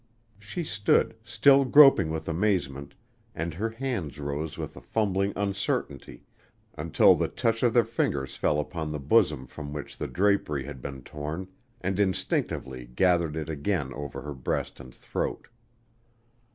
She stood, still groping with amazement, and her hands rose with a fumbling uncertainty until the touch of their fingers fell upon the bosom from which the drapery had been torn, and instinctively gathered it again over her breast and throat.